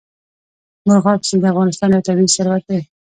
مورغاب سیند د افغانستان یو طبعي ثروت دی.